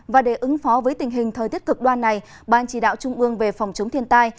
và để ứng phó với tình hình thời tiết cực đoan này ban chỉ đạo trung ương về phòng chống thiên tai